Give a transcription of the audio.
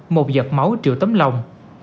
một giật máu triệu tấm lòng